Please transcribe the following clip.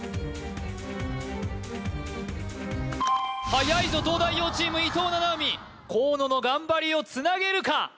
はやいぞ東大王チーム伊藤七海河野の頑張りをつなげるか？